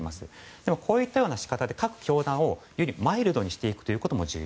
でもこういったような仕方で各教団をよりマイルドにしていくことも重要。